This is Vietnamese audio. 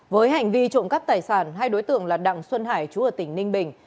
với hành vi trộm cắp tài sản hai đối tượng là đặng xuân hải chú ở tỉnh ninh bình